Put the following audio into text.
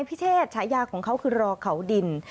พิเศษฉายาของเขาคือรอเขาดิน